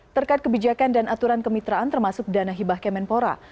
terkait kebijakan dan aturan kemitraan termasuk dana hibah kemenpora